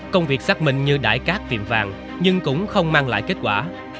công việc xác minh như đải cát tiềm vàng nhưng cũng không mang lại kết quả